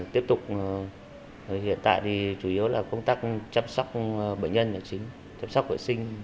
tiếp tục hiện tại thì chủ yếu là công tác chăm sóc bệnh nhân đã chính chăm sóc vệ sinh